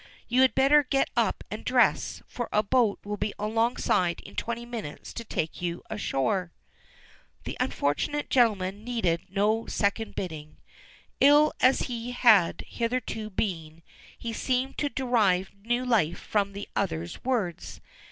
You had better get up and dress, for a boat will be alongside in twenty minutes to take you ashore." The unfortunate gentleman needed no second bidding. Ill as he had hitherto been, he seemed to derive new life from the other's words.